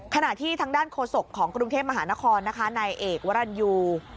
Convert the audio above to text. ขณะที่ทางด้านโฆษกของกรุงเทพมหานครนะคะนายเอกวรรณยู